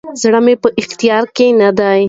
زړه مي په اختیار کي نه دی،